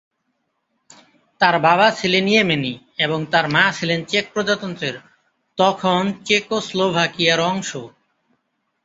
তার বাবা ছিলেন ইয়েমেনি এবং তার মা ছিলেন চেক প্রজাতন্ত্রের, তখন চেকোস্লোভাকিয়ার অংশ।